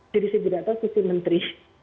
jadi segera itu suti menteri